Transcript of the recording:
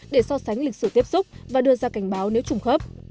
để so sánh lịch sử tiếp xúc và đưa ra cảnh báo nếu trùng khớp